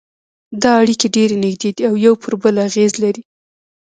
دا اړیکې ډېرې نږدې دي او پر یو بل اغېز لري